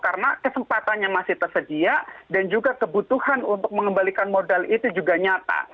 karena kesempatannya masih tersedia dan juga kebutuhan untuk mengembalikan modal itu juga nyata